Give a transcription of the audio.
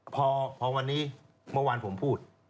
พอวันนี้เมื่อวานผมพูด